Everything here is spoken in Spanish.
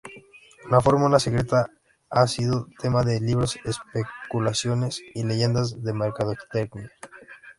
La fórmula secreta ha sido tema de libros, especulaciones y leyendas de mercadotecnia.